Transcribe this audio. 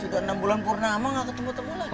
sudah enam bulan purna ama gak ketemu temulah